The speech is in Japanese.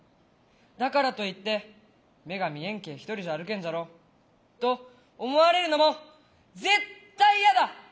だからといって「目が見えんけん一人じゃ歩けんじゃろ」と思われるのも絶対嫌だ。